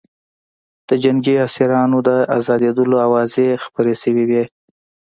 د جنګي اسیرانو د ازادېدلو اوازې خپرې شوې وې